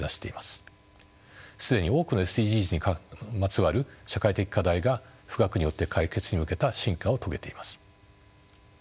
既に多くのＳＤＧｓにまつわる社会的課題が富岳によって解決に向けた進化を遂げています。